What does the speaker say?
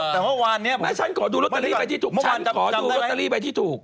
แต่เมื่อวานเนี่ยฉันขอดูล็อตเตอรี่ไปที่ถูก